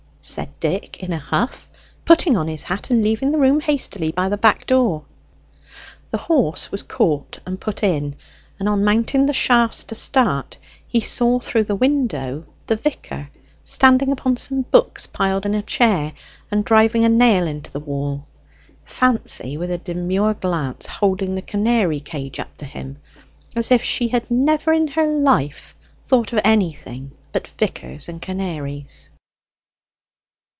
said Dick in a huff, putting on his hat, and leaving the room hastily by the back door. The horse was caught and put in, and on mounting the shafts to start he saw through the window the vicar, standing upon some books piled in a chair, and driving a nail into the wall; Fancy, with a demure glance, holding the canary cage up to him, as if she had never in her life thought of anything but vicars and canaries.